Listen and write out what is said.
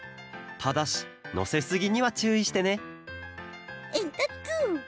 ただしのせすぎにはちゅういしてねえんとつ！